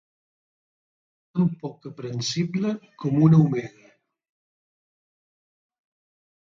Tan poc aprehensible com una omega.